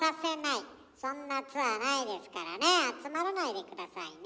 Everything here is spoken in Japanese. そんなツアーないですからね集まらないで下さいね。